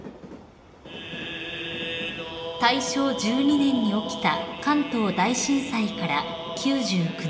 ［大正１２年に起きた関東大震災から９９年］